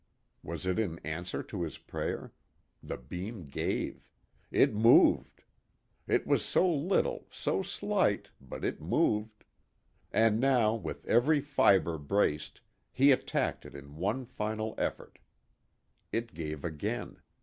Was it in answer to his prayer? The beam gave. It moved. It was so little, so slight; but it moved. And now, with every fibre braced, he attacked it in one final effort. It gave again.